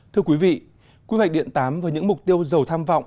thưa quý vị quy hoạch điện tám và những mục tiêu giàu tham vọng